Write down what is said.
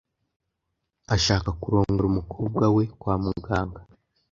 Ashaka kurongora umukobwa we kwa muganga .